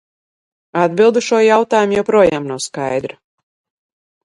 Atbilde uz šo jautājumu joprojām nav skaidra.